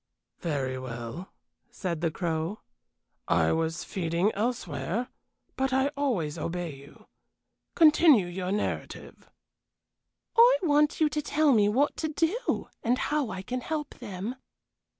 "Very well," said the Crow. "I was feeding elsewhere, but I always obey you. Continue your narrative." "I want you to tell me what to do, and how I can help them."